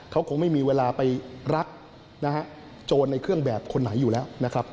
เขาคงไม่มีเวลาไปรักโจรในเครื่องแบบคนไหนอยู่แล้ว